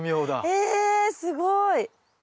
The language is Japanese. えすごい。